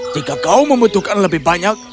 jika kau membutuhkan lebih banyak